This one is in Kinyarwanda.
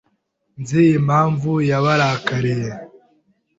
Nzi impamvu yabarakariye.